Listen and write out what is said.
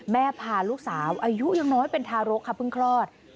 พาลูกสาวอายุยังน้อยเป็นทารกค่ะเพิ่งคลอด